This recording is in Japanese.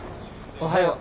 おはよう。